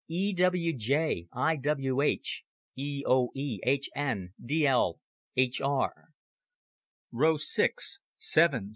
E W J I W H E O E H N D L H R Seven.